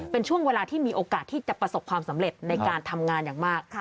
เป็นช่วงเวลาที่มีโอกาสที่จะประสบความสำเร็จในการทำงานอย่างมาก